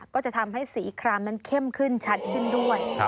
ก็จะทำให้สีครามนั้นเข้มขึ้นชัดขึ้นด้วย